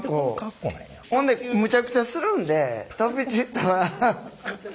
ほんでむちゃくちゃするんで飛び散ったら。